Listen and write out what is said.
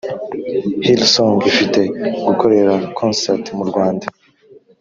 hillsong ifite gukorera concert mu rwanda